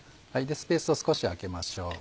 スペースを少しあけましょう。